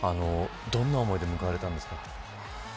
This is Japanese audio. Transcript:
どんな思いで向かわれたんですか。